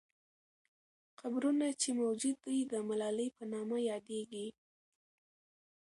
قبرونه چې موجود دي، د ملالۍ په نامه یادیږي.